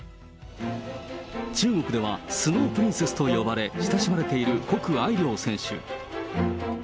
中国ではスノープリンセスと呼ばれ、親しまれている谷愛凌選手。